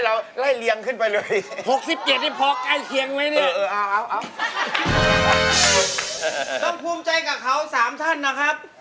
และรับเงินเดือนเดี๋ยวให้ผมเดี๋ยวให้๓เอาให้ครับ